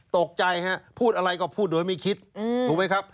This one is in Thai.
ตกใจฮะพูดอะไรก็พูดโดยไม่คิดถูกไหมครับ